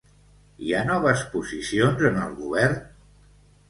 Hi ha noves posicions en el govern?